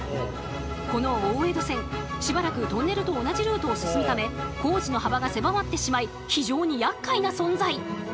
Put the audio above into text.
この大江戸線しばらくトンネルと同じルートを進むため工事の幅が狭まってしまい非常にやっかいな存在。